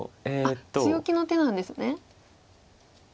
強気の手なんですね。